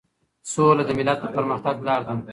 سوله د ملت د پرمختګ لار ده.